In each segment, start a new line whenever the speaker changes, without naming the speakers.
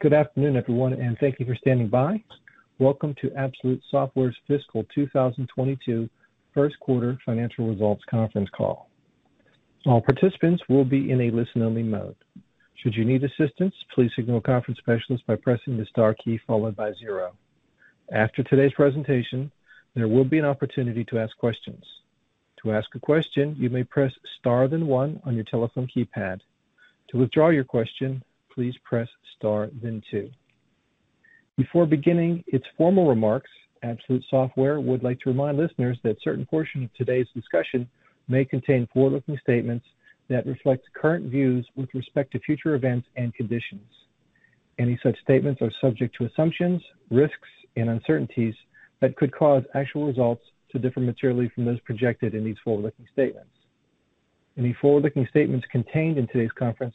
Good afternoon, everyone, and thank you for standing by. Welcome to Absolute Software's Fiscal 2022 First Quarter Financial Results Conference Call. All participants will be in a listen-only mode. Should you need assistance, please signal a conference specialist by pressing the star key followed by zero. After today's presentation, there will be an opportunity to ask questions. To ask a question, you may press star, then one on your telephone keypad. To withdraw your question, please press star, then two. Before beginning its formal remarks, Absolute Software would like to remind listeners that certain portion of today's discussion may contain forward-looking statements that reflect current views with respect to future events and conditions. Any such statements are subject to assumptions, risks, and uncertainties that could cause actual results to differ materially from those projected in these forward-looking statements. Any forward-looking statements contained in today's conference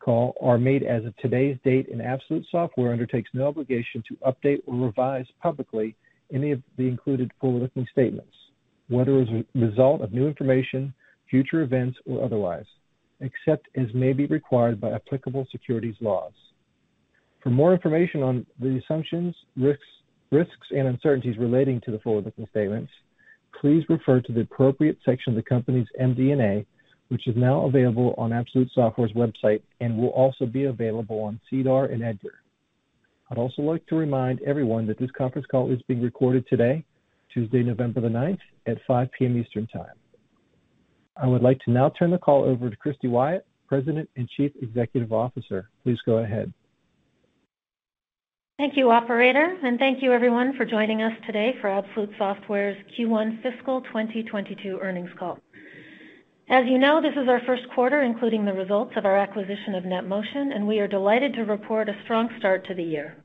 call are made as of today's date, and Absolute Software undertakes no obligation to update or revise publicly any of the included forward-looking statements, whether as a result of new information, future events, or otherwise, except as may be required by applicable securities laws. For more information on the assumptions, risks, and uncertainties relating to the forward-looking statements, please refer to the appropriate section of the company's MD&A, which is now available on Absolute Software's website and will also be available on SEDAR and EDGAR. I'd also like to remind everyone that this conference call is being recorded today, Tuesday, November 9 at 5 P.M. Eastern Time. I would like to now turn the call over to Christy Wyatt, President and Chief Executive Officer. Please go ahead.
Thank you, operator, and thank you everyone for joining us today for Absolute Software's Q1 fiscal 2022 earnings call. As you know, this is our first quarter, including the results of our acquisition of NetMotion, and we are delighted to report a strong start to the year.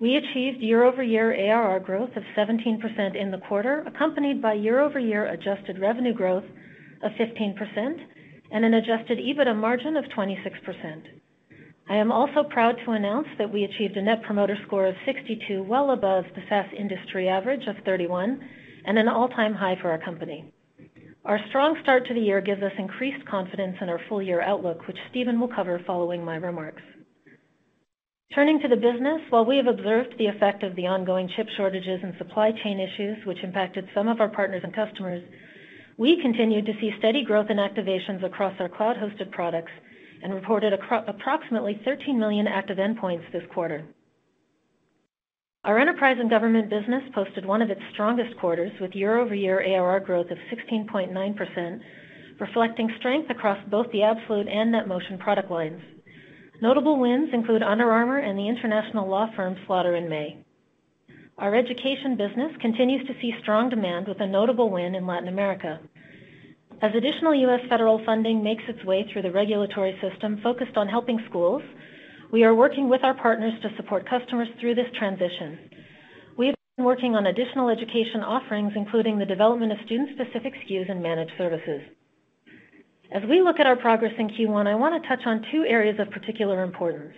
We achieved year-over-year ARR growth of 17% in the quarter, accompanied by year-over-year adjusted revenue growth of 15% and an adjusted EBITDA margin of 26%. I am also proud to announce that we achieved a net promoter score of 62, well above the SaaS industry average of 31 and an all-time high for our company. Our strong start to the year gives us increased confidence in our full-year outlook, which Steven will cover following my remarks. Turning to the business, while we have observed the effect of the ongoing chip shortages and supply chain issues which impacted some of our partners and customers, we continued to see steady growth in activations across our cloud-hosted products and reported approximately 13 million active endpoints this quarter. Our enterprise and government business posted one of its strongest quarters, with year-over-year ARR growth of 16.9%, reflecting strength across both the Absolute and NetMotion product lines. Notable wins include Under Armour and the international law firm Slaughter and May. Our education business continues to see strong demand with a notable win in Latin America. As additional U.S. federal funding makes its way through the regulatory system focused on helping schools, we are working with our partners to support customers through this transition. We have been working on additional education offerings, including the development of student-specific SKUs and managed services. As we look at our progress in Q1, I wanna touch on two areas of particular importance,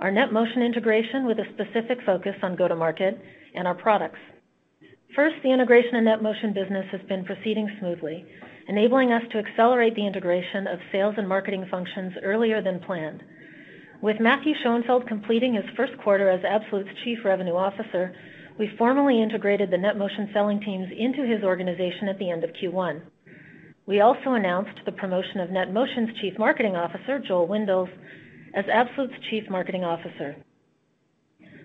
our NetMotion integration with a specific focus on go-to-market and our products. First, the integration of NetMotion business has been proceeding smoothly, enabling us to accelerate the integration of sales and marketing functions earlier than planned. With Matthew Schoenfeld completing his first quarter as Absolute's Chief Revenue Officer, we formally integrated the NetMotion selling teams into his organization at the end of Q1. We also announced the promotion of NetMotion's Chief Marketing Officer, Joel Windels, as Absolute's Chief Marketing Officer.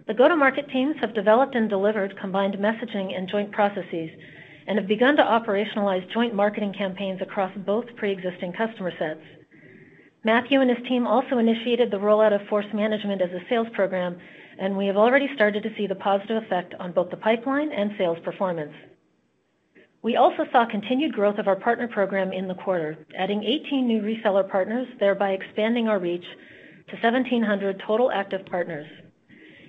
The go-to-market teams have developed and delivered combined messaging and joint processes and have begun to operationalize joint marketing campaigns across both preexisting customer sets. Matthew and his team also initiated the rollout of Force Management as a sales program, and we have already started to see the positive effect on both the pipeline and sales performance. We also saw continued growth of our partner program in the quarter, adding 18 new reseller partners, thereby expanding our reach to 1,700 total active partners.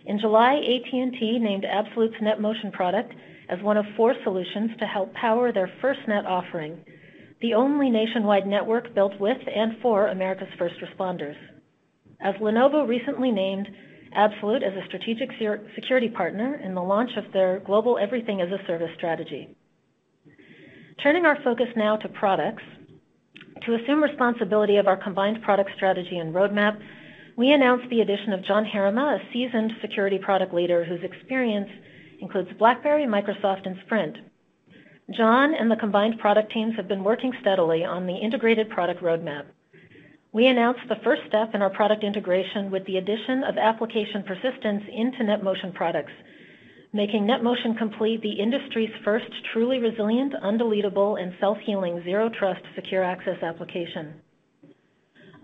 In July, AT&T named Absolute's NetMotion product as one of four solutions to help power their FirstNet offering, the only nationwide network built with and for America's first responders, as Lenovo recently named Absolute as a strategic security partner in the launch of their global Everything-as-a-Service strategy. Turning our focus now to products. To assume responsibility of our combined product strategy and roadmap, we announced the addition of John Herrema, a seasoned security product leader whose experience includes BlackBerry, Microsoft, and Sprint. John and the combined product teams have been working steadily on the integrated product roadmap. We announced the first step in our product integration with the addition of Application Persistence into NetMotion products, making NetMotion Complete the industry's first truly resilient, undeletable, and self-healing Zero Trust secure access application.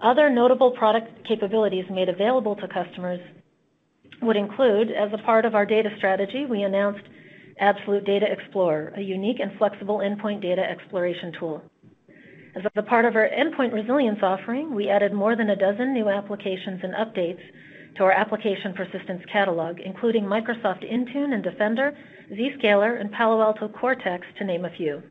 Other notable product capabilities made available to customers would include, as a part of our data strategy, we announced Absolute DataExplorer, a unique and flexible endpoint data exploration tool. As a part of our Endpoint Resilience offering, we added more than a dozen new applications and updates to our Application Persistence catalog, including Microsoft Intune and Defender, Zscaler, and Palo Alto Cortex, to name a few.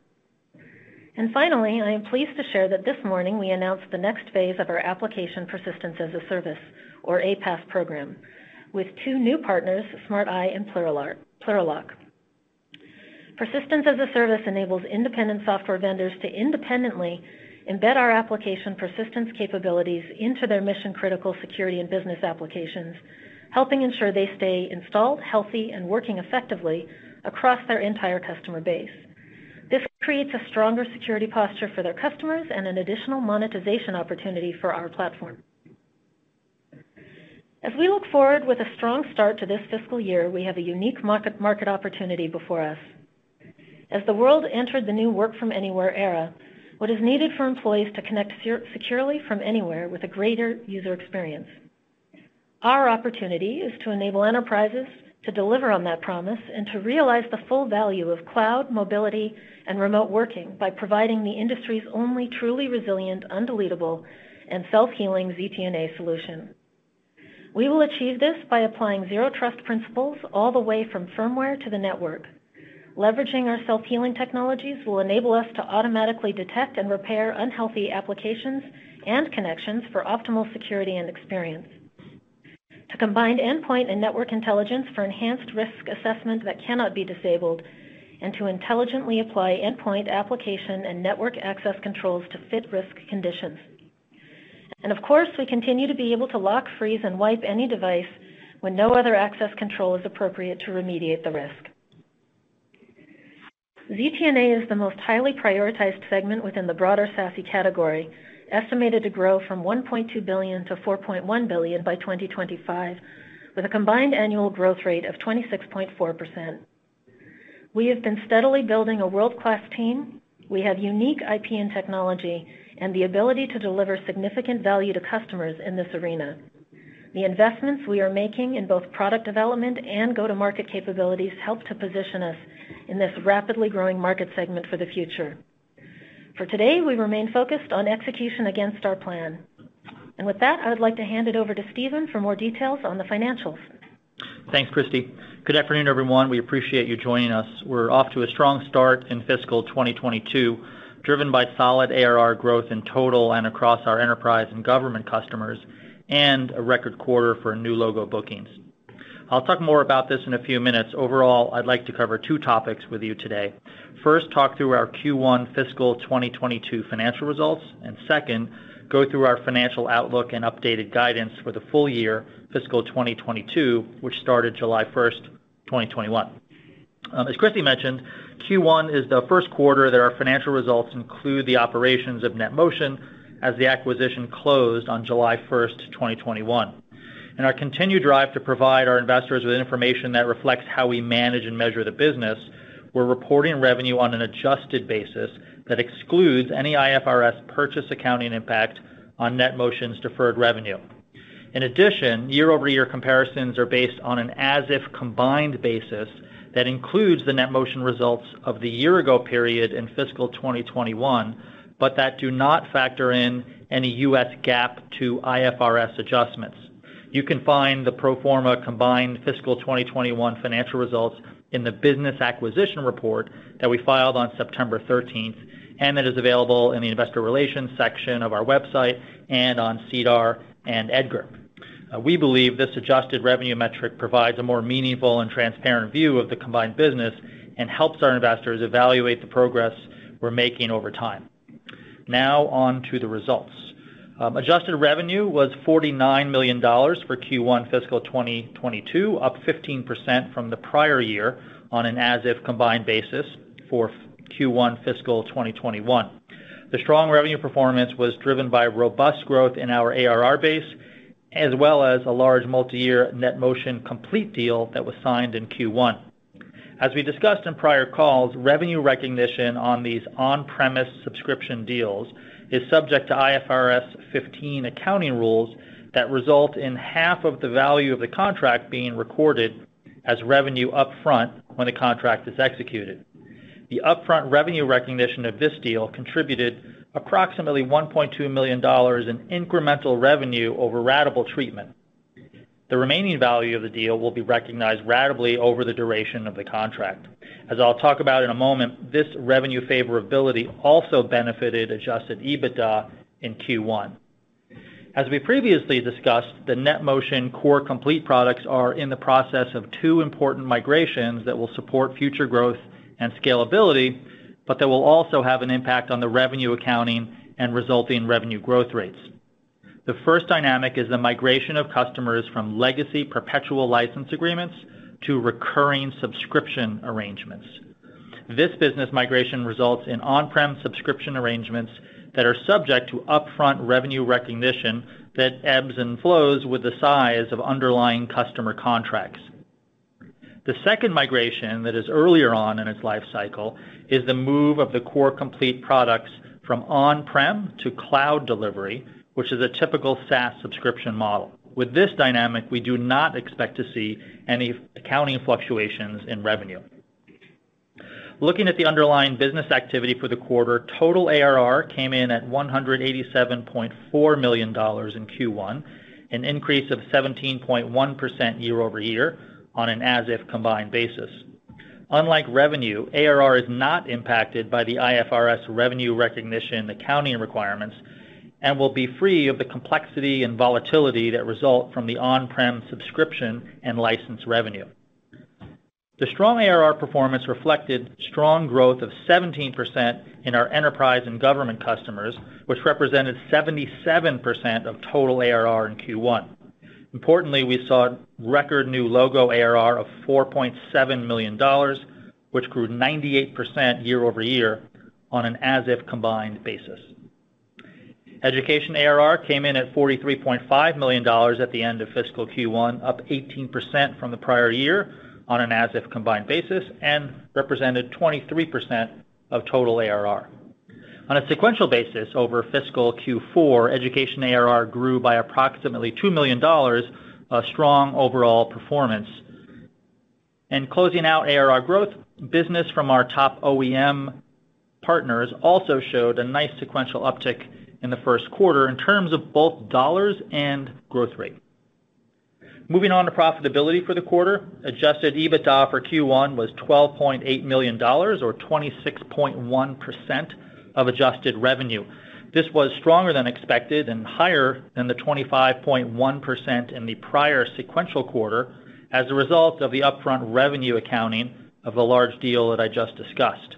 Finally, I am pleased to share that this morning we announced the next phase of our Application Persistence as a Service or APaaS program with two new partners, Smart Eye and Plurilock. Persistence as a Service enables independent software vendors to independently embed our application persistence capabilities into their mission-critical security and business applications, helping ensure they stay installed, healthy, and working effectively across their entire customer base. This creates a stronger security posture for their customers and an additional monetization opportunity for our platform. As we look forward with a strong start to this fiscal year, we have a unique market opportunity before us. As the world entered the new work from anywhere era, what is needed for employees to connect securely from anywhere with a greater user experience? Our opportunity is to enable enterprises to deliver on that promise and to realize the full value of cloud, mobility, and remote working by providing the industry's only truly resilient, undeletable, and self-healing ZTNA solution. We will achieve this by applying Zero Trust principles all the way from firmware to the network. Leveraging our self-healing technologies will enable us to automatically detect and repair unhealthy applications and connections for optimal security and experience, to combine endpoint and network intelligence for enhanced risk assessment that cannot be disabled, and to intelligently apply endpoint application and network access controls to fit risk conditions. Of course, we continue to be able to lock, freeze, and wipe any device when no other access control is appropriate to remediate the risk. ZTNA is the most highly prioritized segment within the broader SASE category, estimated to grow from $1.2 billion-$4.1 billion by 2025, with a combined annual growth rate of 26.4%. We have been steadily building a world-class team. We have unique IP and technology and the ability to deliver significant value to customers in this arena. The investments we are making in both product development and go-to-market capabilities help to position us in this rapidly growing market segment for the future. For today, we remain focused on execution against our plan. With that, I would like to hand it over to Steven for more details on the financials.
Thanks, Christy. Good afternoon, everyone. We appreciate you joining us. We're off to a strong start in fiscal 2022, driven by solid ARR growth in total and across our enterprise and government customers, and a record quarter for new logo bookings. I'll talk more about this in a few minutes. Overall, I'd like to cover two topics with you today. First, talk through our Q1 fiscal 2022 financial results, and second, go through our financial outlook and updated guidance for the full year fiscal 2022, which started July 1, 2021. As Christy mentioned, Q1 is the first quarter that our financial results include the operations of NetMotion as the acquisition closed on July 1, 2021. In our continued drive to provide our investors with information that reflects how we manage and measure the business, we're reporting revenue on an adjusted basis that excludes any IFRS purchase accounting impact on NetMotion's deferred revenue. In addition, year-over-year comparisons are based on an as-if combined basis that includes the NetMotion results of the year-ago period in fiscal 2021, but that do not factor in any US GAAP to IFRS adjustments. You can find the pro forma combined fiscal 2021 financial results in the Business Acquisition Report that we filed on September 13, and that is available in the investor relations section of our website and on SEDAR and EDGAR. We believe this adjusted revenue metric provides a more meaningful and transparent view of the combined business and helps our investors evaluate the progress we're making over time. Now on to the results. Adjusted revenue was $49 million for Q1 fiscal 2022, up 15% from the prior year on an as-if combined basis for Q1 fiscal 2021. The strong revenue performance was driven by robust growth in our ARR base, as well as a large multi-year NetMotion Complete deal that was signed in Q1. As we discussed in prior calls, revenue recognition on these on-premise subscription deals is subject to IFRS 15 accounting rules that result in half of the value of the contract being recorded as revenue up front when the contract is executed. The upfront revenue recognition of this deal contributed approximately $1.2 million in incremental revenue over ratable treatment. The remaining value of the deal will be recognized ratably over the duration of the contract. As I'll talk about in a moment, this revenue favorability also benefited adjusted EBITDA in Q1. As we previously discussed, the NetMotion Core and Complete products are in the process of two important migrations that will support future growth and scalability, but that will also have an impact on the revenue accounting and resulting revenue growth rates. The first dynamic is the migration of customers from legacy perpetual license agreements to recurring subscription arrangements. This business migration results in on-prem subscription arrangements that are subject to upfront revenue recognition that ebbs and flows with the size of underlying customer contracts. The second migration that is earlier on in its life cycle is the move of the Core and Complete products from on-prem to cloud delivery, which is a typical SaaS subscription model. With this dynamic, we do not expect to see any accounting fluctuations in revenue. Looking at the underlying business activity for the quarter, total ARR came in at $187.4 million in Q1, an increase of 17.1% year-over-year on an as-if combined basis. Unlike revenue, ARR is not impacted by the IFRS revenue recognition accounting requirements and will be free of the complexity and volatility that result from the on-prem subscription and license revenue. The strong ARR performance reflected strong growth of 17% in our enterprise and government customers, which represented 77% of total ARR in Q1. Importantly, we saw record new logo ARR of $4.7 million, which grew 98% year-over-year on an as-if combined basis. Education ARR came in at $43.5 million at the end of fiscal Q1, up 18% from the prior year on an as-if combined basis and represented 23% of total ARR. On a sequential basis over fiscal Q4, education ARR grew by approximately $2 million, a strong overall performance. Closing out ARR growth, business from our top OEM partners also showed a nice sequential uptick in the first quarter in terms of both dollars and growth rate. Moving on to profitability for the quarter, adjusted EBITDA for Q1 was $12.8 million or 26.1% of adjusted revenue. This was stronger than expected and higher than the 25.1% in the prior sequential quarter as a result of the upfront revenue accounting of the large deal that I just discussed.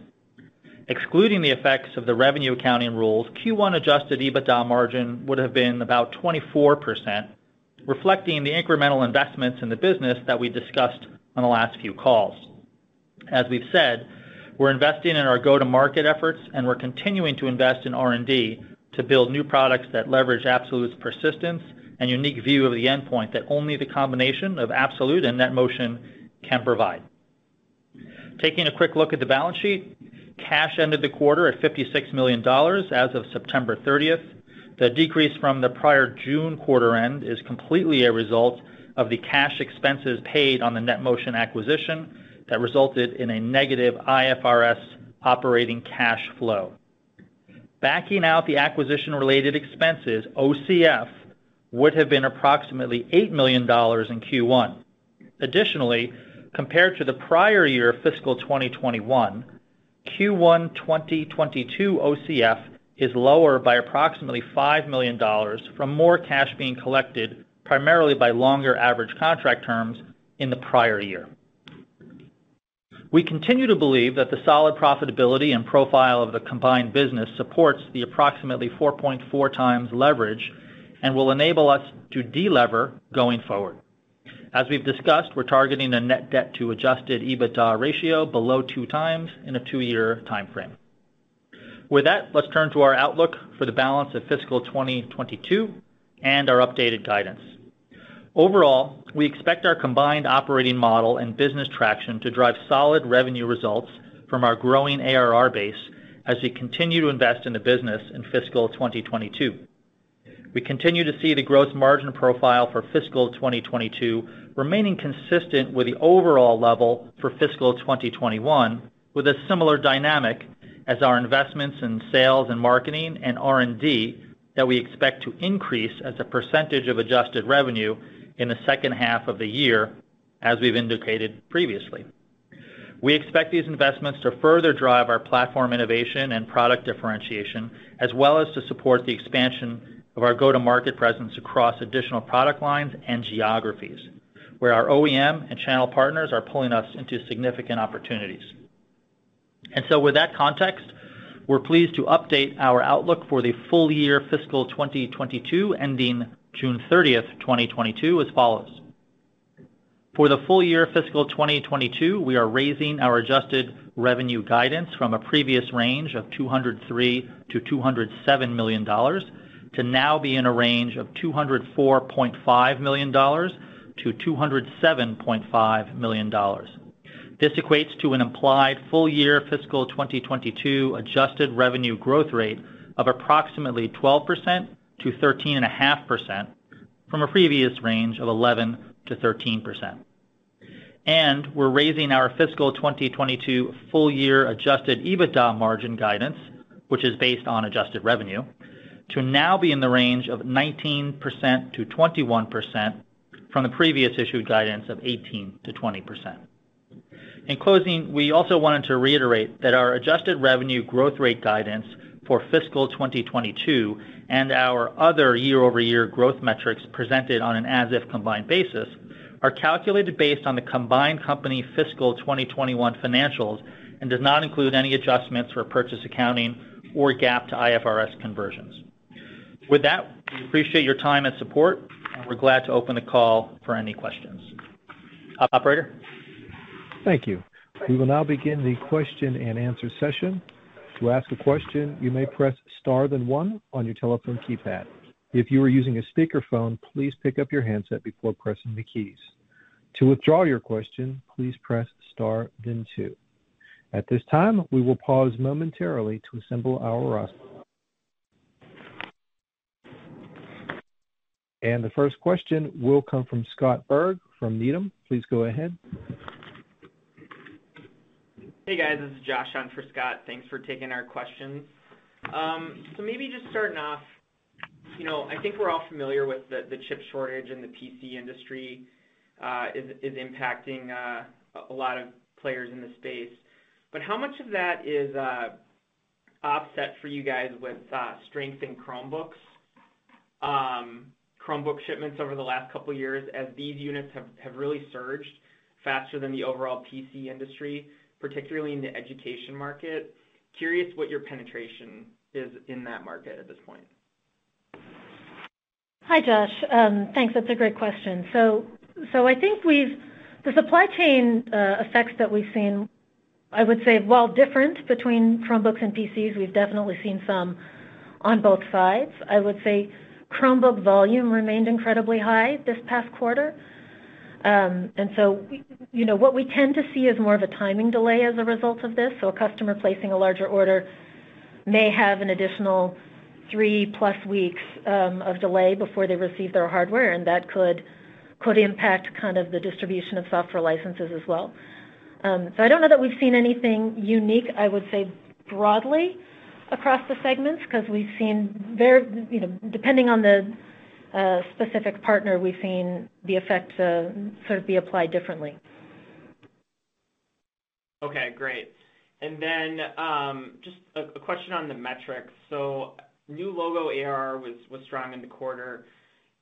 Excluding the effects of the revenue accounting rules, Q1 adjusted EBITDA margin would have been about 24%, reflecting the incremental investments in the business that we discussed on the last few calls. As we've said, we're investing in our go-to-market efforts, and we're continuing to invest in R&D to build new products that leverage Absolute's persistence and unique view of the endpoint that only the combination of Absolute and NetMotion can provide. Taking a quick look at the balance sheet, cash ended the quarter at $56 million as of September thirtieth. The decrease from the prior June quarter end is completely a result of the cash expenses paid on the NetMotion acquisition that resulted in a negative IFRS operating cash flow. Backing out the acquisition-related expenses, OCF would have been approximately $8 million in Q1. Additionally, compared to the prior year fiscal 2021, Q1 2022 OCF is lower by approximately $5 million from more cash being collected primarily by longer average contract terms in the prior year. We continue to believe that the solid profitability and profile of the combined business supports the approximately 4.4x leverage and will enable us to de-lever going forward. As we've discussed, we're targeting a net debt to adjusted EBITDA ratio below two times in a two-year time frame. With that, let's turn to our outlook for the balance of fiscal 2022 and our updated guidance. Overall, we expect our combined operating model and business traction to drive solid revenue results from our growing ARR base as we continue to invest in the business in fiscal 2022. We continue to see the growth margin profile for fiscal 2022 remaining consistent with the overall level for fiscal 2021, with a similar dynamic as our investments in sales and marketing and R&D that we expect to increase as a percentage of adjusted revenue in the second half of the year, as we've indicated previously. We expect these investments to further drive our platform innovation and product differentiation, as well as to support the expansion of our go-to-market presence across additional product lines and geographies, where our OEM and channel partners are pulling us into significant opportunities. With that context, we're pleased to update our outlook for the full year fiscal 2022 ending June 30, 2022 as follows. For the full year fiscal 2022, we are raising our adjusted revenue guidance from a previous range of $203 million-$207 million to now be in a range of $204.5 million-$207.5 million. This equates to an implied full year fiscal 2022 adjusted revenue growth rate of approximately 12%-13.5% from a previous range of 11%-13%. We're raising our fiscal 2022 full year adjusted EBITDA margin guidance, which is based on adjusted revenue, to now be in the range of 19%-21% from the previous issued guidance of 18%-20%. In closing, we also wanted to reiterate that our adjusted revenue growth rate guidance for fiscal 2022 and our other year-over-year growth metrics presented on an as-if combined basis are calculated based on the combined company fiscal 2021 financials and does not include any adjustments for purchase accounting or GAAP to IFRS conversions. With that, we appreciate your time and support, and we're glad to open the call for any questions. Operator?
Thank you. We will now begin the question and answer session. To ask a question, you may press star then one on your telephone keypad. If you are using a speakerphone, please pick up your handset before pressing the keys. To withdraw your question, please press star then two. At this time, we will pause momentarily to assemble our roster. The first question will come from Scott Berg from Needham. Please go ahead.
Hey, guys, this is Josh on for Scott. Thanks for taking our questions. Maybe just starting off. You know, I think we're all familiar with the chip shortage in the PC industry is impacting a lot of players in the space. How much of that is offset for you guys with strength in Chromebooks? Chromebook shipments over the last couple years as these units have really surged faster than the overall PC industry, particularly in the education market. Curious what your penetration is in that market at this point.
Hi, Josh. Thanks. That's a great question. I think we've seen the supply chain effects that we've seen, I would say, while different between Chromebooks and PCs, we've definitely seen some on both sides. I would say Chromebook volume remained incredibly high this past quarter. You know, what we tend to see is more of a timing delay as a result of this. A customer placing a larger order may have an additional 3+ weeks of delay before they receive their hardware, and that could impact kind of the distribution of software licenses as well. I don't know that we've seen anything unique, I would say, broadly across the segments 'cause we've seen very, you know, depending on the specific partner, we've seen the effects sort of be applied differently.
Okay, great. Just a question on the metrics. New logo ARR was strong in the quarter.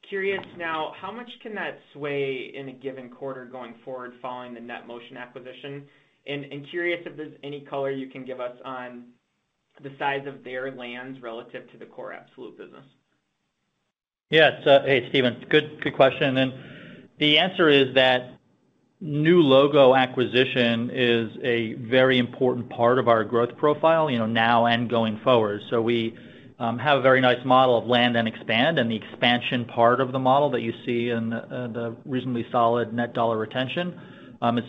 Curious now, how much can that sway in a given quarter going forward following the NetMotion acquisition? Curious if there's any color you can give us on the size of their lands relative to the core Absolute business.
Yes. Hey, Steven. Good question. The answer is that new logo acquisition is a very important part of our growth profile, you know, now and going forward. We have a very nice model of land and expand, and the expansion part of the model that you see in the reasonably solid net dollar retention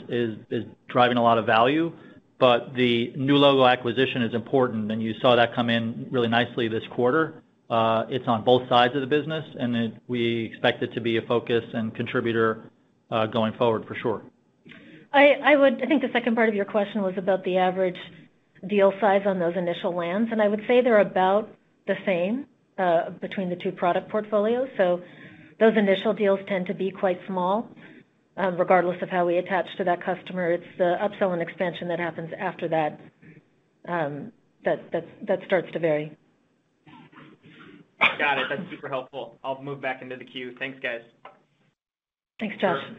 is driving a lot of value. The new logo acquisition is important, and you saw that come in really nicely this quarter. It's on both sides of the business, and we expect it to be a focus and contributor going forward for sure.
I think the second part of your question was about the average deal size on those initial lands, and I would say they're about the same between the two product portfolios. Those initial deals tend to be quite small, regardless of how we attach to that customer. It's the upsell and expansion that happens after that that starts to vary.
Got it. That's super helpful. I'll move back into the queue. Thanks, guys.
Thanks, Josh.
Sure.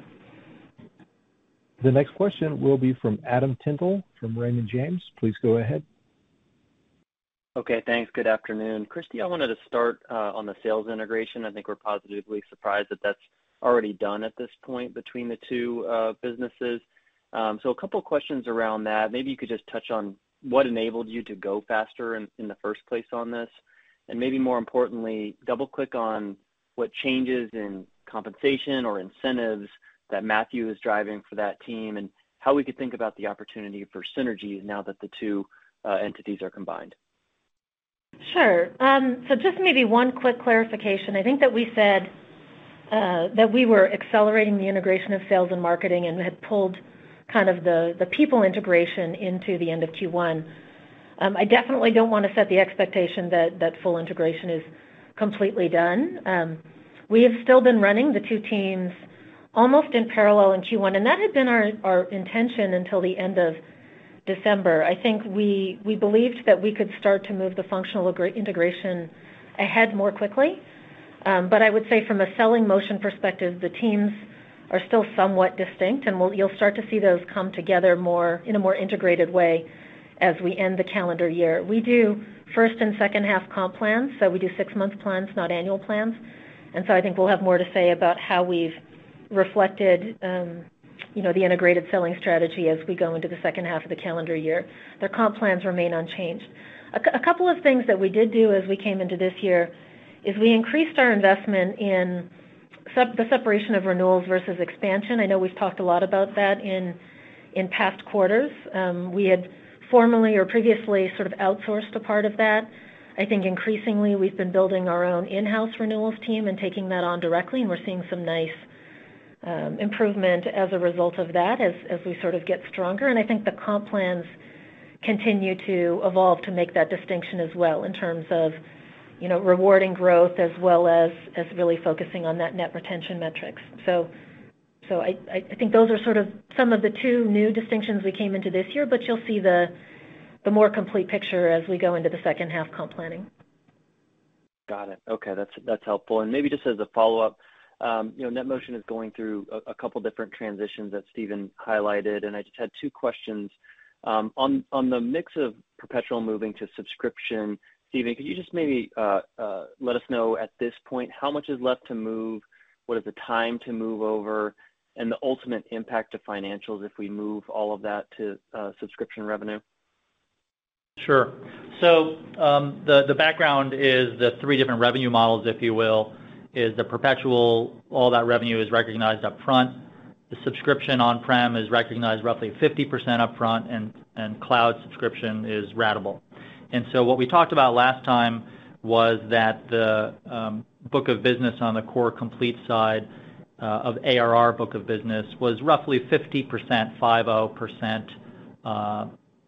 The next question will be from Adam Tindle from Raymond James. Please go ahead.
Okay, thanks. Good afternoon. Christy, I wanted to start on the sales integration. I think we're positively surprised that that's already done at this point between the two businesses. A couple questions around that. Maybe you could just touch on what enabled you to go faster in the first place on this, and maybe more importantly, double-click on what changes in compensation or incentives that Matthew is driving for that team and how we could think about the opportunity for synergies now that the two entities are combined.
Sure. Just maybe one quick clarification. I think that we said that we were accelerating the integration of sales and marketing and had pulled kind of the people integration into the end of Q1. I definitely don't wanna set the expectation that that full integration is completely done. We have still been running the two teams almost in parallel in Q1, and that had been our intention until the end of December. I think we believed that we could start to move the functional integration ahead more quickly. I would say from a selling motion perspective, the teams are still somewhat distinct, and you'll start to see those come together more in a more integrated way as we end the calendar year. We do first and second half comp plans, so we do six-month plans, not annual plans. I think we'll have more to say about how we've reflected, you know, the integrated selling strategy as we go into the second half of the calendar year. The comp plans remain unchanged. A couple of things that we did do as we came into this year is we increased our investment in the separation of renewals versus expansion. I know we've talked a lot about that in past quarters. We had formerly or previously sort of outsourced a part of that. I think increasingly, we've been building our own in-house renewals team and taking that on directly, and we're seeing some nice improvement as a result of that as we sort of get stronger. I think the comp plans continue to evolve to make that distinction as well in terms of, you know, rewarding growth as well as really focusing on that net retention metrics. So I think those are sort of some of the two new distinctions we came into this year, but you'll see the more complete picture as we go into the second half comp planning.
Got it. Okay. That's helpful. Maybe just as a follow-up, NetMotion is going through a couple different transitions that Steven highlighted, and I just had two questions. On the mix of perpetual moving to subscription, Steven, could you just maybe let us know at this point how much is left to move, what is the time to move over, and the ultimate impact to financials if we move all of that to subscription revenue?
Sure. The background is the three different revenue models, if you will, is the perpetual, all that revenue is recognized upfront. The subscription on-prem is recognized roughly 50% upfront, and cloud subscription is ratable. What we talked about last time was that the book of business on the Core Complete side of ARR book of business was roughly 50%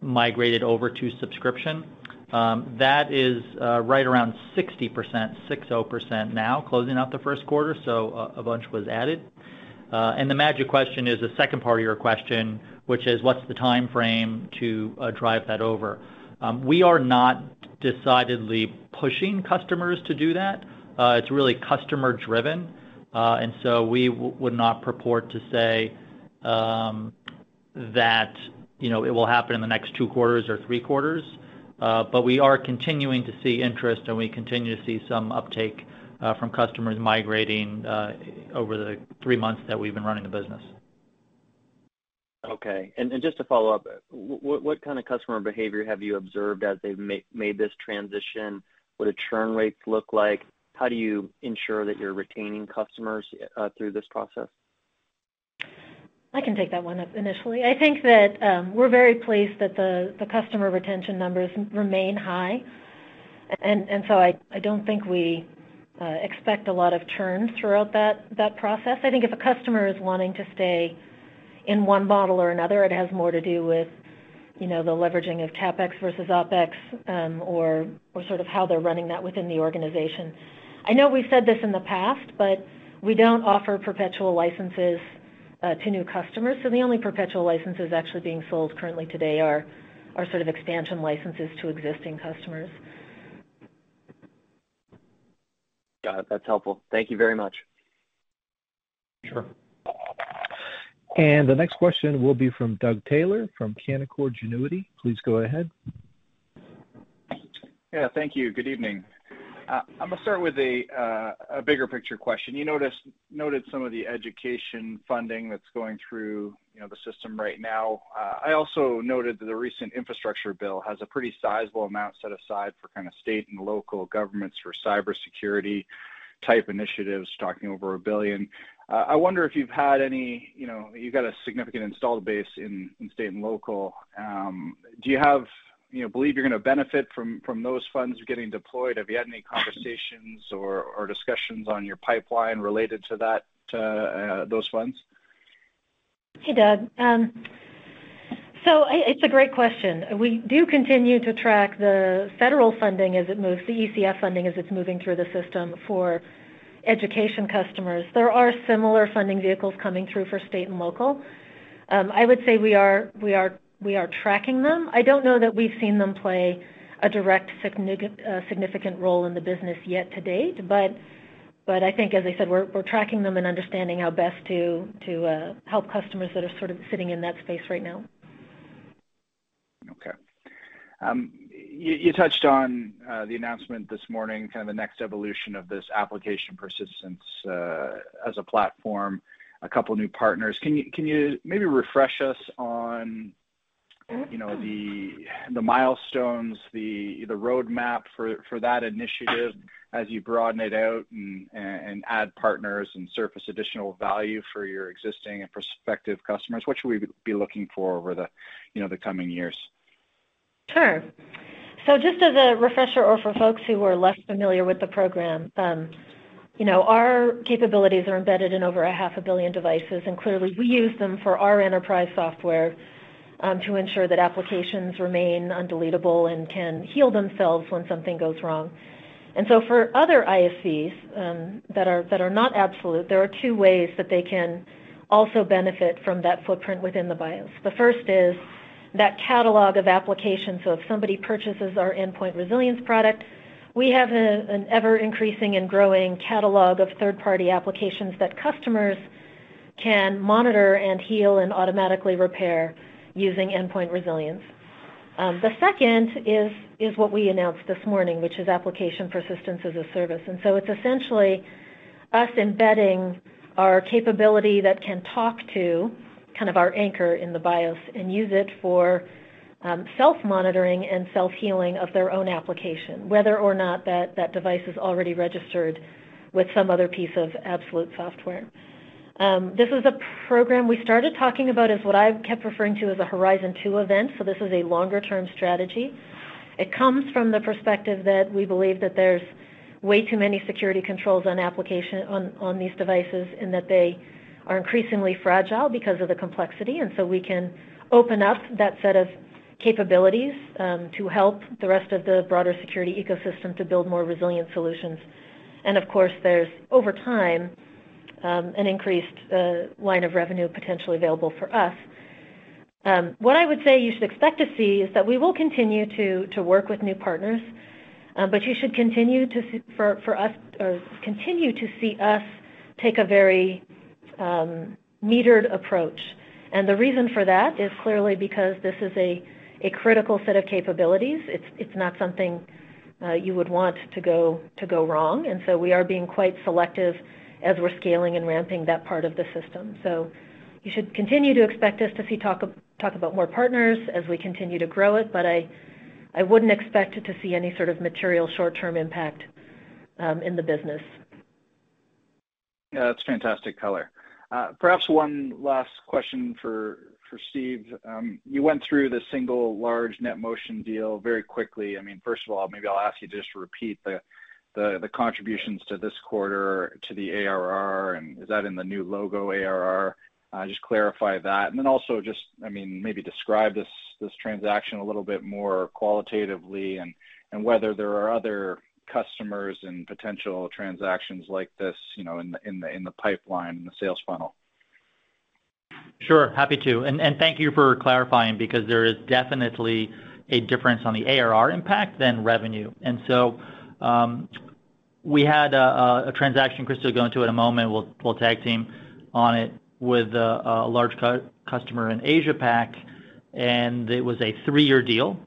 migrated over to subscription. That is right around 60% now closing out the first quarter, so a bunch was added. The magic question is the second part of your question, which is what's the timeframe to drive that over? We are not decidedly pushing customers to do that. It's really customer-driven. We would not purport to say that, you know, it will happen in the next two quarters or three quarters. We are continuing to see interest, and we continue to see some uptake from customers migrating over the three months that we've been running the business.
Okay. Just to follow up, what kind of customer behavior have you observed as they've made this transition? What do churn rates look like? How do you ensure that you're retaining customers through this process?
I can take that one initially. I think that we're very pleased that the customer retention numbers remain high. I don't think we expect a lot of churn throughout that process. I think if a customer is wanting to stay in one model or another, it has more to do with, you know, the leveraging of CapEx versus OpEx, or sort of how they're running that within the organization. I know we've said this in the past, but we don't offer perpetual licenses to new customers, so the only perpetual licenses actually being sold currently today are sort of expansion licenses to existing customers.
Got it. That's helpful. Thank you very much.
Sure.
The next question will be from Doug Taylor from Canaccord Genuity. Please go ahead.
Yeah, thank you. Good evening. I'm gonna start with a bigger picture question. You noted some of the education funding that's going through, you know, the system right now. I also noted that the recent infrastructure bill has a pretty sizable amount set aside for kind of state and local governments for cybersecurity-type initiatives, talking over $1 billion. I wonder if you've had any. You know, you've got a significant installed base in state and local. Do you believe you're gonna benefit from those funds getting deployed? Have you had any conversations or discussions on your pipeline related to those funds?
Hey, Doug. It's a great question. We do continue to track the federal funding as it moves, the ECF funding as it's moving through the system for education customers. There are similar funding vehicles coming through for state and local. I would say we are tracking them. I don't know that we've seen them play a direct significant role in the business yet to date, but I think, as I said, we're tracking them and understanding how best to help customers that are sort of sitting in that space right now.
Okay. You touched on the announcement this morning, kind of the next evolution of this Application Persistence as a platform, a couple new partners. Can you maybe refresh us on?
Mm-hmm
You know, the milestones, the roadmap for that initiative as you broaden it out and add partners and surface additional value for your existing and prospective customers? What should we be looking for over the, you know, the coming years?
Sure. Just as a refresher or for folks who are less familiar with the program, you know, our capabilities are embedded in over 500 million devices, and clearly we use them for our enterprise software, to ensure that applications remain undeletable and can heal themselves when something goes wrong. For other ISVs that are not Absolute, there are two ways that they can also benefit from that footprint within the BIOS. The first is that catalog of applications. If somebody purchases our Endpoint Resilience product, we have an ever-increasing and growing catalog of third-party applications that customers can monitor and heal and automatically repair using Endpoint Resilience. The second is what we announced this morning, which is Application Persistence as a Service. It's essentially us embedding our capability that can talk to kind of our anchor in the BIOS and use it for self-monitoring and self-healing of their own application, whether or not that device is already registered with some other piece of Absolute Software. This is a program we started talking about as what I've kept referring to as a Horizon two event, so this is a longer-term strategy. It comes from the perspective that we believe that there's way too many security controls on applications on these devices, and that they are increasingly fragile because of the complexity, and we can open up that set of capabilities to help the rest of the broader security ecosystem to build more resilient solutions. Of course, there's over time an increased line of revenue potentially available for us. What I would say you should expect to see is that we will continue to work with new partners, but you should continue to see us take a very metered approach. The reason for that is clearly because this is a critical set of capabilities. It's not something you would want to go wrong, and we are being quite selective as we're scaling and ramping that part of the system. You should continue to expect to see us talk about more partners as we continue to grow it, but I wouldn't expect to see any sort of material short-term impact in the business.
Yeah, that's fantastic color. Perhaps one last question for Steve. You went through the single large NetMotion deal very quickly. I mean, first of all, maybe I'll ask you just to repeat the contributions to this quarter to the ARR, and is that in the new logo ARR? I just clarify that. Then also just, I mean, maybe describe this transaction a little bit more qualitatively and whether there are other customers and potential transactions like this, you know, in the pipeline, in the sales funnel.
Sure. Happy to. Thank you for clarifying because there is definitely a difference on the ARR impact than revenue. We had a transaction Christy will go into in a moment. We'll tag team on it with a large customer in Asia Pac, and it was a three-year deal,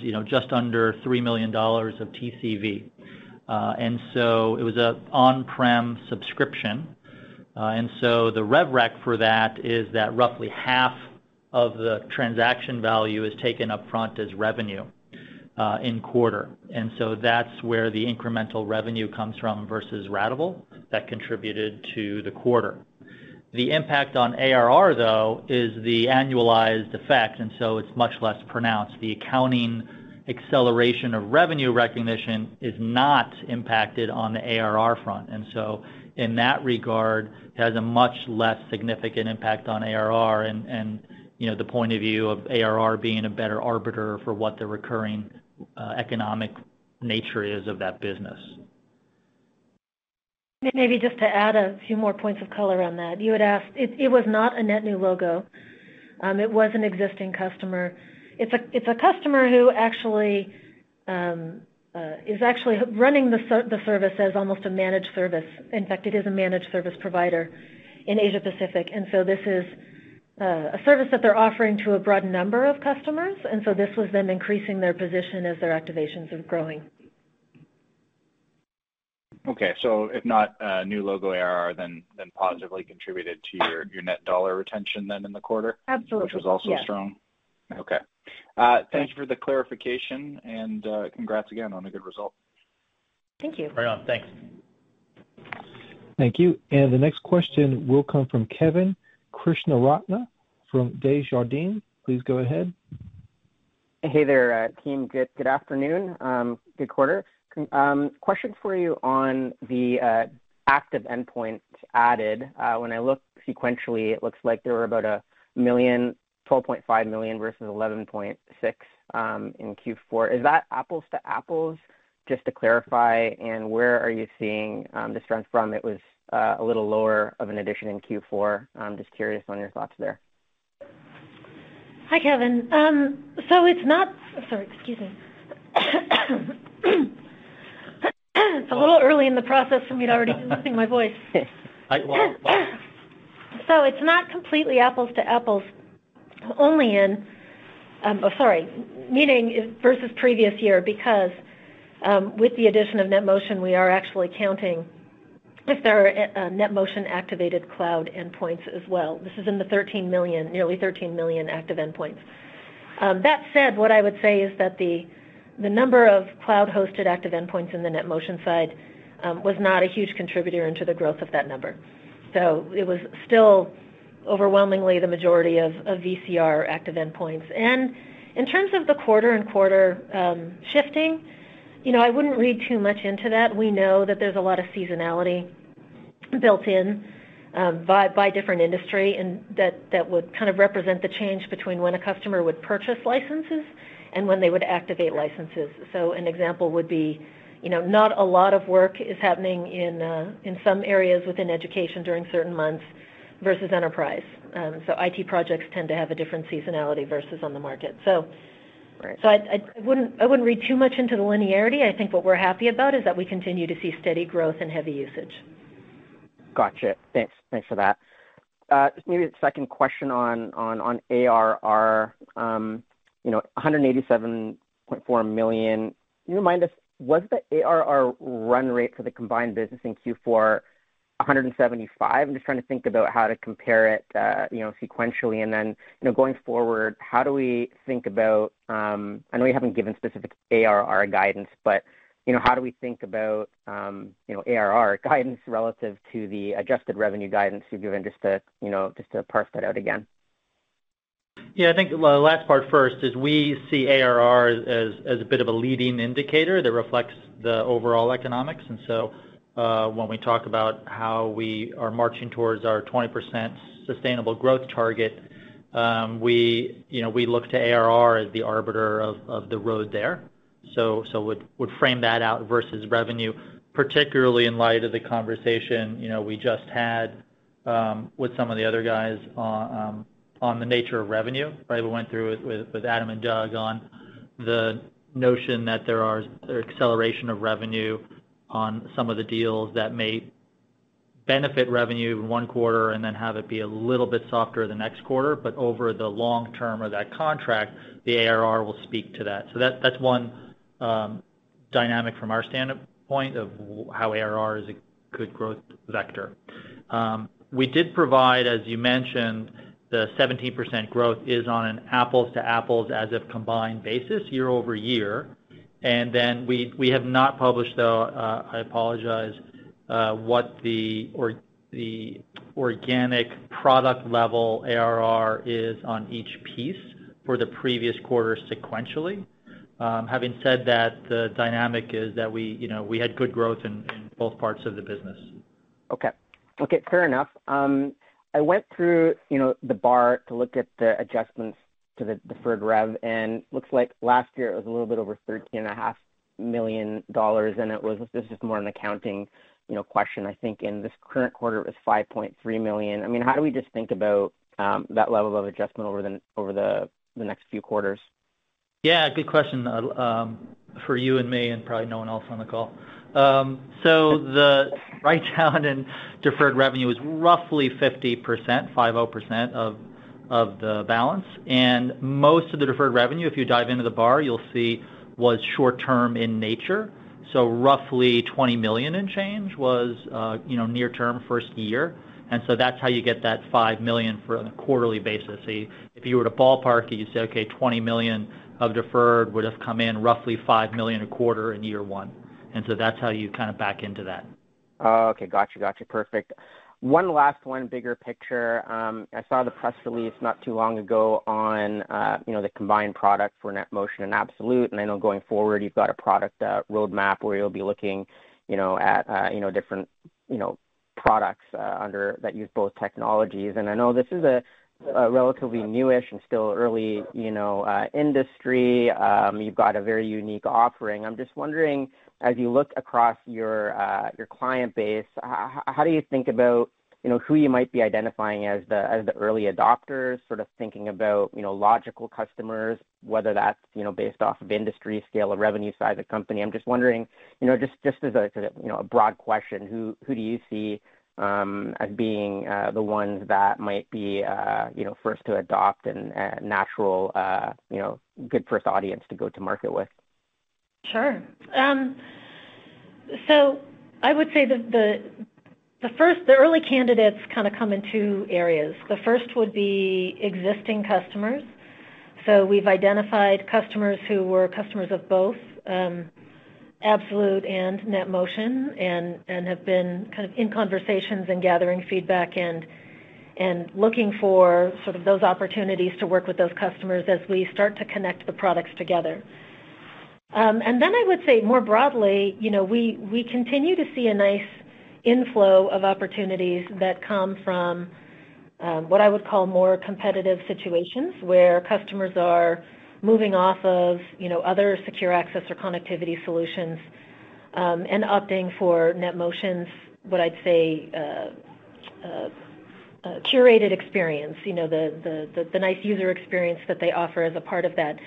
you know, just under $3 million of TCV. It was a on-prem subscription. The rev rec for that is that roughly half of the transaction value is taken up front as revenue in quarter. That's where the incremental revenue comes from versus ratable that contributed to the quarter. The impact on ARR, though, is the annualized effect, and it's much less pronounced. The accounting acceleration of revenue recognition is not impacted on the ARR front. In that regard, has a much less significant impact on ARR and, you know, the point of view of ARR being a better arbiter for what the recurring economic nature is of that business.
Maybe just to add a few more points of color on that. You had asked, it was not a net new logo. It was an existing customer. It's a customer who actually is actually running the service as almost a managed service. In fact, it is a managed service provider in Asia Pacific. This is a service that they're offering to a broad number of customers, and this was them increasing their position as their activations are growing.
Okay. If not a new logo ARR, then positively contributed to your net dollar retention then in the quarter.
Absolutely.
Which was also strong.
Yes.
Okay. Thank you for the clarification, and congrats again on a good result.
Thank you.
Right on. Thanks.
Thank you. The next question will come from Kevin Krishnaratne from Desjardins. Please go ahead.
Hey there, team. Good afternoon. Good quarter. Question for you on the active endpoint added. When I look sequentially, it looks like there were 12.5 million versus 11.6 in Q4. Is that apples to apples? Just to clarify, and where are you seeing the strength from? It was a little lower of an addition in Q4. I'm just curious on your thoughts there.
Hi, Kevin. It's a little early in the process for me to already be losing my voice. It's not completely apples to apples, meaning versus previous year, because with the addition of NetMotion, we are actually counting NetMotion activated cloud endpoints as well. This is in the 13 million, nearly 13 million active endpoints. That said, what I would say is that the number of cloud-hosted active endpoints on the NetMotion side was not a huge contributor to the growth of that number. It was still overwhelmingly the majority of PCR active endpoints. In terms of the quarter-over-quarter shifting, you know, I wouldn't read too much into that. We know that there's a lot of seasonality built in by different industry and that would kind of represent the change between when a customer would purchase licenses and when they would activate licenses. So an example would be, you know, not a lot of work is happening in some areas within education during certain months versus enterprise. IT projects tend to have a different seasonality versus on the market.
Right.
I wouldn't read too much into the linearity. I think what we're happy about is that we continue to see steady growth and heavy usage.
Gotcha. Thanks. Thanks for that. Just maybe a second question on ARR. You know, $187.4 million. Can you remind us, was the ARR run rate for the combined business in Q4 $175 million? I'm just trying to think about how to compare it, you know, sequentially. Then, you know, going forward, how do we think about, I know you haven't given specific ARR guidance, but, you know, how do we think about, you know, ARR guidance relative to the adjusted revenue guidance you've given just to, you know, just to parse that out again?
Yeah, I think the last part first is we see ARR as a bit of a leading indicator that reflects the overall economics. When we talk about how we are marching towards our 20% sustainable growth target, we, you know, we look to ARR as the arbiter of the road there. I would frame that out versus revenue, particularly in light of the conversation, you know, we just had, with some of the other guys on the nature of revenue. Right? We went through it with Adam and Doug on the notion that there are acceleration of revenue on some of the deals that may benefit revenue in one quarter and then have it be a little bit softer the next quarter. Over the long term of that contract, the ARR will speak to that. That's one dynamic from our standpoint of how ARR is a good growth vector. We did provide, as you mentioned, the 17% growth is on an apples-to-apples as-if-combined basis year-over-year. We have not published, though, I apologize, what the organic product level ARR is on each piece for the previous quarter sequentially. Having said that, the dynamic is that we, you know, we had good growth in both parts of the business.
Okay. Fair enough. I went through, you know, the BAR to look at the adjustments to the deferred rev, and looks like last year it was a little bit over $13.5 million. This is more an accounting, you know, question, I think. In this current quarter, it was $5.3 million. I mean, how do we just think about that level of adjustment over the next few quarters?
Yeah, good question. For you and me, and probably no one else on the call. The write-down in deferred revenue is roughly 50%, 50%, of the balance. Most of the deferred revenue, if you dive into the BAR, you'll see was short term in nature. Roughly $20 million in change was, you know, near term, first year. That's how you get that $5 million for a quarterly basis. If you were to ballpark it, you'd say, okay, $20 million of deferred would've come in roughly $5 million a quarter in year one. That's how you kind of back into that.
Oh, okay. Gotcha. Perfect. One last one, bigger picture. I saw the press release not too long ago on, you know, the combined product for NetMotion and Absolute, and I know going forward, you've got a product roadmap where you'll be looking, you know, at, you know, different, you know, products that use both technologies. I know this is a relatively new-ish and still early, you know, industry. You've got a very unique offering. I'm just wondering, as you look across your client base, how do you think about, you know, who you might be identifying as the early adopters, sort of thinking about, you know, logical customers, whether that's, you know, based off of industry scale or revenue size of company. I'm just wondering, you know, just as a sort of, you know, a broad question, who do you see as being the ones that might be, you know, first to adopt and natural, you know, good first audience to go to market with?
Sure. I would say the early candidates kind of come in two areas. The first would be existing customers. We've identified customers who were customers of both Absolute and NetMotion and have been kind of in conversations and gathering feedback and looking for sort of those opportunities to work with those customers as we start to connect the products together. I would say more broadly, you know, we continue to see a nice inflow of opportunities that come from what I would call more competitive situations, where customers are moving off of, you know, other secure access or connectivity solutions and opting for NetMotion's, what I'd say, curated experience, you know, the nice user experience that they offer as a part of that.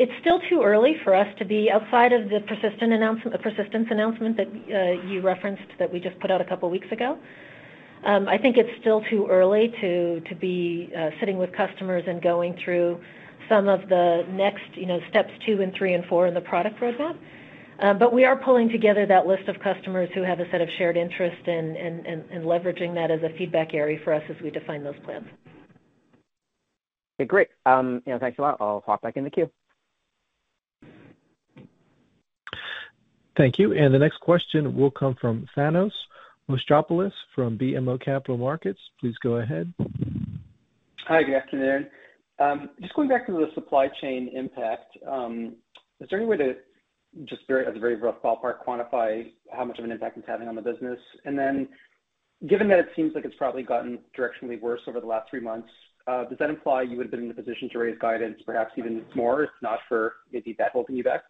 It's still too early for us to be outside of the persistence announcement that you referenced that we just put out a couple weeks ago. I think it's still too early to be sitting with customers and going through some of the next, you know, steps two and three and four in the product roadmap. We are pulling together that list of customers who have a set of shared interest and leveraging that as a feedback area for us as we define those plans.
Okay, great. You know, thanks a lot. I'll hop back in the queue.
Thank you. The next question will come from Thanos Moschopoulos from BMO Capital Markets. Please go ahead.
Hi, good afternoon. Just going back to the supply chain impact, is there any way to just very, as a very rough ballpark, quantify how much of an impact it's having on the business? Given that it seems like it's probably gotten directionally worse over the last three months, does that imply you would have been in a position to raise guidance perhaps even more, if not for maybe that holding you back?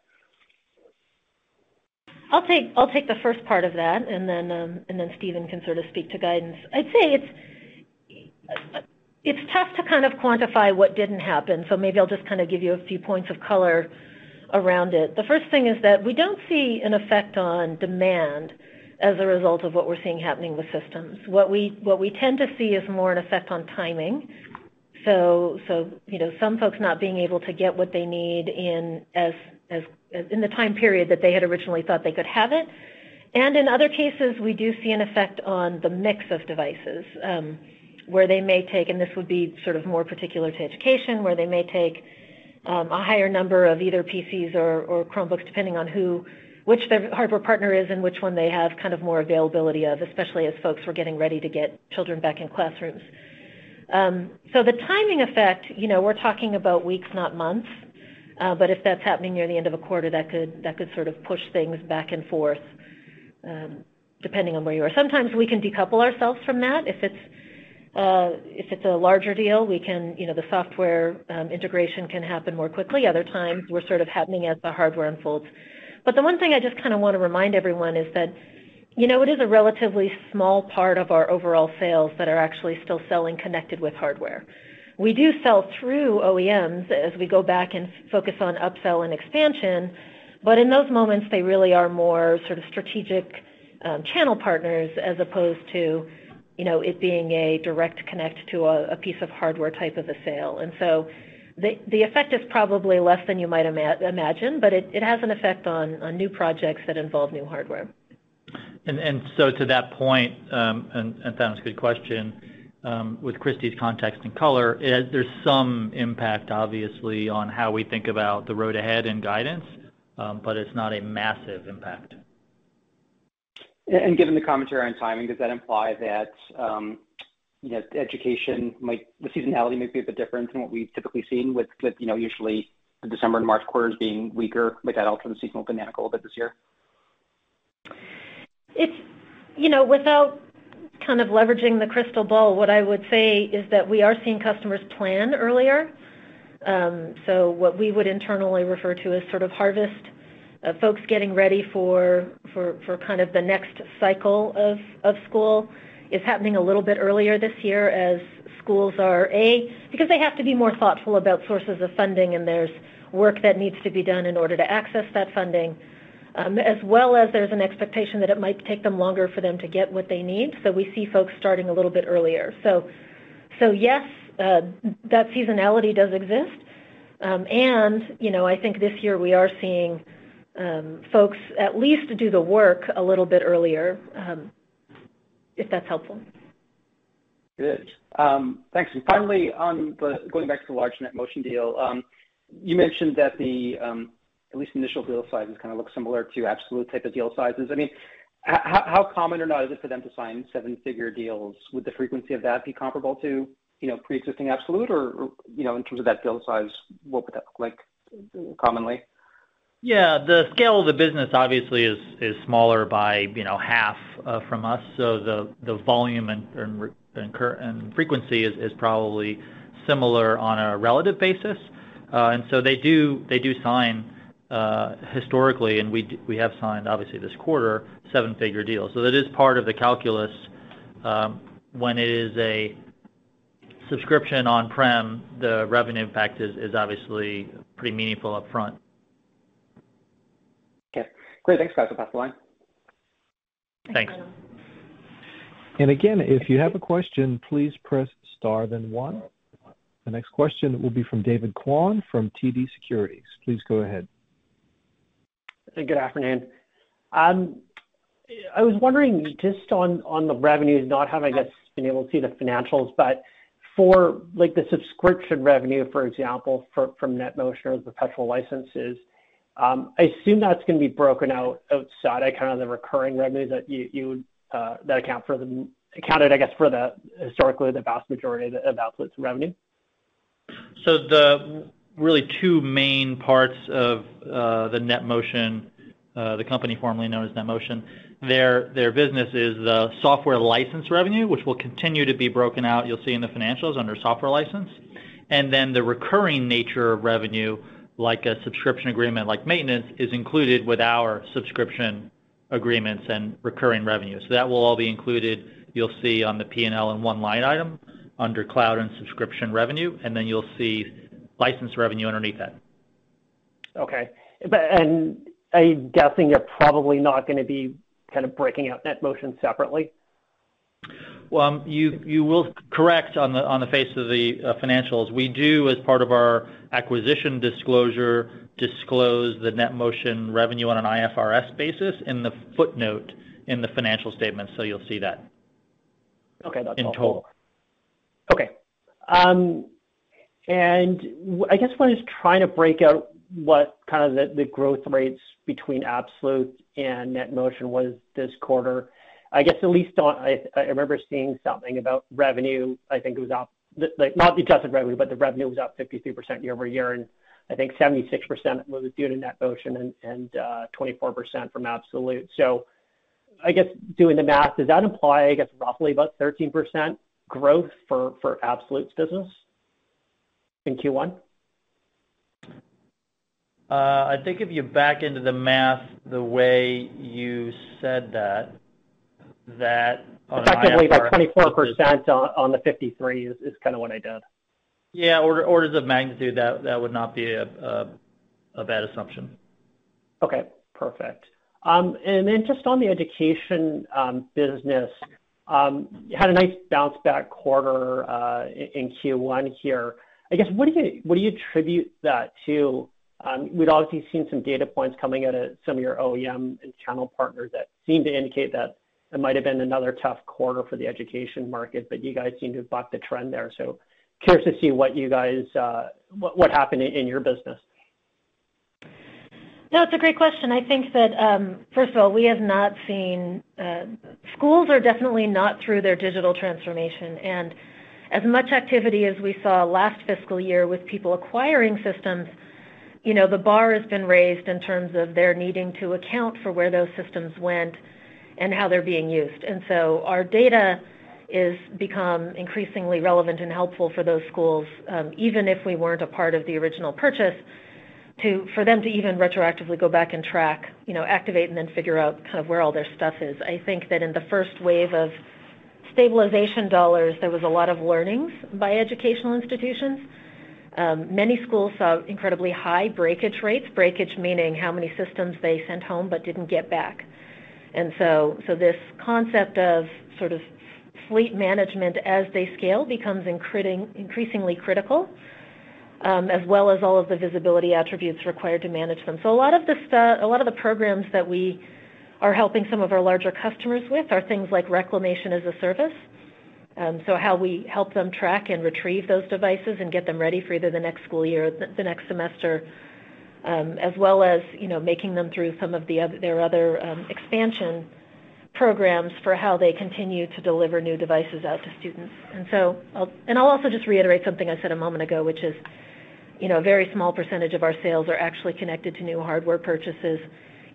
I'll take the first part of that and then Steven can sort of speak to guidance. I'd say it's tough to kind of quantify what didn't happen, so maybe I'll just kind of give you a few points of color around it. The first thing is that we don't see an effect on demand as a result of what we're seeing happening with systems. What we tend to see is more an effect on timing. So, you know, some folks not being able to get what they need in the time period that they had originally thought they could have it. In other cases, we do see an effect on the mix of devices, where they may take, and this would be sort of more particular to education, a higher number of either PCs or Chromebooks, depending on which their hardware partner is and which one they have kind of more availability of, especially as folks were getting ready to get children back in classrooms. The timing effect, you know, we're talking about weeks, not months. If that's happening near the end of a quarter, that could sort of push things back and forth, depending on where you are. Sometimes we can decouple ourselves from that. If it's a larger deal, we can, you know, the software integration can happen more quickly. Other times we're sort of happening as the hardware unfolds. The one thing I just kinda wanna remind everyone is that, you know, it is a relatively small part of our overall sales that are actually still selling connected with hardware. We do sell through OEMs as we go back and focus on upsell and expansion, but in those moments, they really are more sort of strategic, channel partners as opposed to, you know, it being a direct connect to a piece of hardware type of a sale. The effect is probably less than you might imagine, but it has an effect on new projects that involve new hardware.
To that point, and Thanos, good question, with Christy's context and color, there's some impact obviously on how we think about the road ahead and guidance, but it's not a massive impact.
Given the commentary on timing, does that imply that, you know, education, the seasonality may be a bit different than what we've typically seen with you know, usually the December and March quarters being weaker. Might that alter the seasonal dynamic a little bit this year?
You know, without kind of leveraging the crystal ball, what I would say is that we are seeing customers plan earlier. What we would internally refer to as sort of harvest, folks getting ready for kind of the next cycle of school, is happening a little bit earlier this year as schools are: A, because they have to be more thoughtful about sources of funding, and there's work that needs to be done in order to access that funding. As well as there's an expectation that it might take them longer for them to get what they need. We see folks starting a little bit earlier. Yes, that seasonality does exist. You know, I think this year we are seeing, folks at least do the work a little bit earlier, if that's helpful.
It is. Thanks. Finally, going back to the large NetMotion deal, you mentioned that the at least initial deal sizes kinda look similar to Absolute type of deal sizes. I mean, how common or not is it for them to sign seven-figure deals? Would the frequency of that be comparable to, you know, pre-existing Absolute? Or, you know, in terms of that deal size, what would that look like commonly?
Yeah. The scale of the business obviously is smaller by, you know, half, from us. The volume and frequency is probably similar on a relative basis. They do sign historically, and we have signed obviously this quarter, seven-figure deals. That is part of the calculus. When it is a subscription on-prem, the revenue impact is obviously pretty meaningful upfront.
Okay. Great. Thanks, guys. I'll pass the line.
Thanks.
Thanks.
Again, if you have a question, please press star then one. The next question will be from David Kwan from TD Securities. Please go ahead.
Good afternoon. I was wondering just on the revenues, not having, I guess, been able to see the financials, but for like the subscription revenue, for example, from NetMotion or the perpetual licenses, I assume that's gonna be broken out outside of kinda the recurring revenue that accounted for, historically, the vast majority of Absolute's revenue.
The really two main parts of the NetMotion, the company formerly known as NetMotion, their business is the software license revenue, which will continue to be broken out. You'll see in the financials under software license. Then the recurring nature of revenue, like a subscription agreement like maintenance, is included with our subscription agreements and recurring revenue. That will all be included. You'll see on the P&L in one line item under cloud and subscription revenue, and then you'll see license revenue underneath that.
I'm guessing you're probably not gonna be kind of breaking out NetMotion separately.
Well, you will. Correct. On the face of the financials. We do, as part of our acquisition disclosure, disclose the NetMotion revenue on an IFRS basis in the footnote in the financial statement. You'll see that.
Okay. That's all
in total.
Okay. I guess what I was trying to break out what kind of the growth rates between Absolute and NetMotion was this quarter. I guess at least I remember seeing something about revenue. I think it was up. Like, not the adjusted revenue, but the revenue was up 53% year-over-year, and I think 76% was due to NetMotion and 24% from Absolute. I guess doing the math, does that imply, I guess, roughly about 13% growth for Absolute's business in Q1?
I think if you back into the math the way you said that on an IFRS basis.
Effectively, like 24% on the 53 is kinda what I did.
Yeah. Orders of magnitude, that would not be a bad assumption.
Okay. Perfect. Just on the education business had a nice bounce back quarter in Q1 here. I guess, what do you attribute that to? We'd obviously seen some data points coming out of some of your OEM and channel partners that seem to indicate that it might have been another tough quarter for the education market, but you guys seem to have bucked the trend there. Curious to see what happened in your business.
No, it's a great question. I think that, first of all, schools are definitely not through their digital transformation. As much activity as we saw last fiscal year with people acquiring systems, you know, the bar has been raised in terms of their needing to account for where those systems went and how they're being used. Our data is become increasingly relevant and helpful for those schools, even if we weren't a part of the original purchase, for them to even retroactively go back and track, you know, activate and then figure out kind of where all their stuff is. I think that in the first wave of stabilization dollars, there was a lot of learnings by educational institutions. Many schools saw incredibly high breakage rates. Breakage meaning how many systems they sent home but didn't get back. This concept of sort of fleet management as they scale becomes increasingly critical, as well as all of the visibility attributes required to manage them. A lot of the programs that we are helping some of our larger customers with are things like reclamation as a service, so how we help them track and retrieve those devices and get them ready for either the next school year or the next semester, as well as, you know, making them through some of their other expansion programs for how they continue to deliver new devices out to students. I'll also just reiterate something I said a moment ago, which is, you know, a very small percentage of our sales are actually connected to new hardware purchases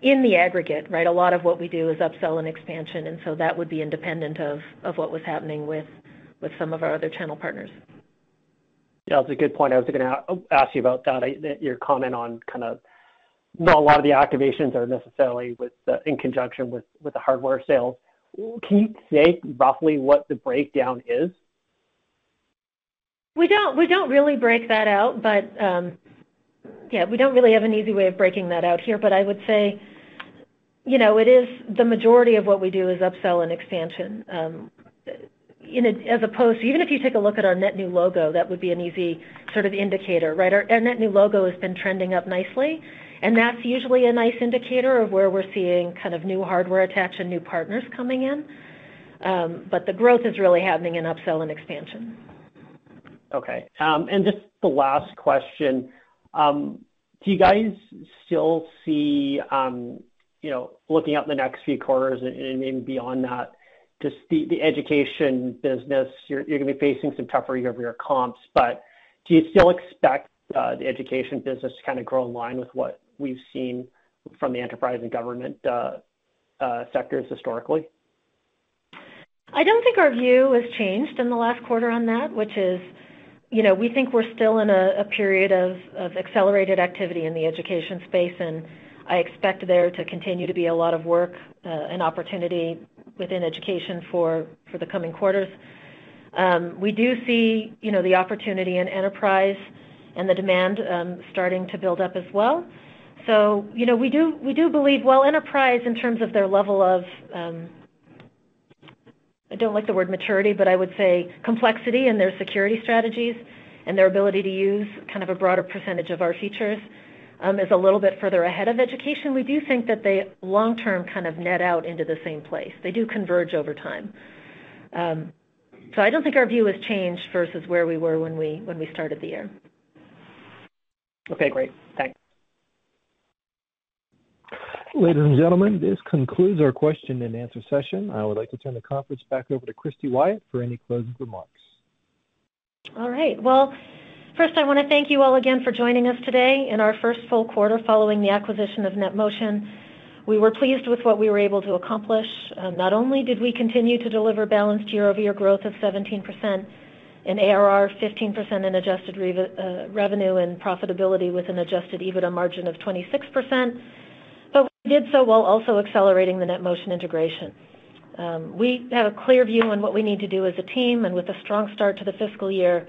in the aggregate, right? A lot of what we do is upsell and expansion, and so that would be independent of what was happening with some of our other channel partners.
Yeah, that's a good point. I was gonna ask you about that. That's your comment on kind of not a lot of the activations are necessarily in conjunction with the hardware sales. Can you say roughly what the breakdown is?
We don't really break that out, but, yeah, we don't really have an easy way of breaking that out here. I would say, you know, it is the majority of what we do is upsell and expansion. As opposed. Even if you take a look at our net new logo, that would be an easy sort of indicator, right? Our net new logo has been trending up nicely, and that's usually a nice indicator of where we're seeing kind of new hardware attach and new partners coming in. The growth is really happening in upsell and expansion.
Okay. Just the last question. Do you guys still see, you know, looking out in the next few quarters and even beyond that, just the education business gonna be facing some tougher year-over-year comps, but do you still expect the education business to kinda grow in line with what we've seen from the enterprise and government sectors historically?
I don't think our view has changed in the last quarter on that, which is, you know, we think we're still in a period of accelerated activity in the education space, and I expect there to continue to be a lot of work and opportunity within education for the coming quarters. We do see, you know, the opportunity in enterprise and the demand starting to build up as well. You know, we do believe while enterprise, in terms of their level of... I don't like the word maturity, but I would say complexity in their security strategies and their ability to use kind of a broader percentage of our features, is a little bit further ahead of education. We do think that they long term kind of net out into the same place. They do converge over time. I don't think our view has changed versus where we were when we started the year.
Okay, great. Thanks.
Ladies and gentlemen, this concludes our question and answer session. I would like to turn the conference back over to Christy Wyatt for any closing remarks.
All right. Well, first I wanna thank you all again for joining us today in our first full quarter following the acquisition of NetMotion. We were pleased with what we were able to accomplish. Not only did we continue to deliver balanced year-over-year growth of 17%, an ARR of 15% in adjusted revenue and profitability with an adjusted EBITDA margin of 26%, but we did so while also accelerating the NetMotion integration. We have a clear view on what we need to do as a team, and with a strong start to the fiscal year,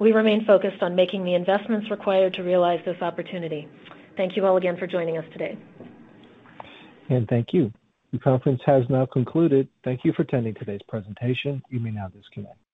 we remain focused on making the investments required to realize this opportunity. Thank you all again for joining us today.
Thank you. The conference has now concluded. Thank you for attending today's presentation. You may now disconnect.